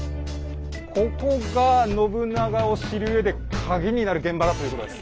ここが信長を知るうえでカギになる現場だということです。